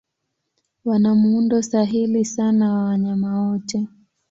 Wana muundo sahili sana wa wanyama wote.